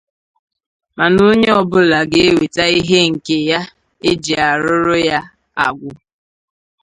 mana onye ọbụla ga-ewete ihe nke ya e ji arụrụ ya agwụ